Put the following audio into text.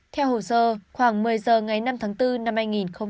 theo hồ sơ khoảng một mươi giờ ngày năm tháng bốn năm hai nghìn hai mươi